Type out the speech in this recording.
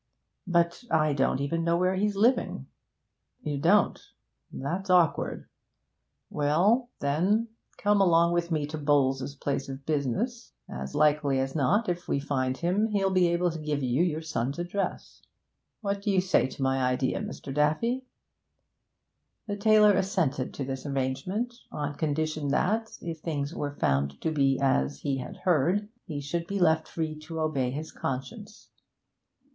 'But I don't even know where he's living.' 'You don't? That's awkward. Well then, come along with me to Bowles's place of business; as likely as not, if we find him, he'll be able to give you your son's address. What do you say to my idea, Mr. Daffy?' The tailor assented to this arrangement, on condition that, if things were found to be as he had heard, he should be left free to obey his conscience.